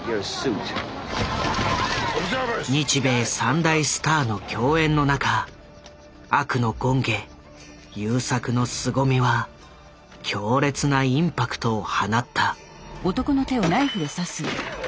日米３大スターの競演の中悪の権化優作のすごみは強烈なインパクトを放った。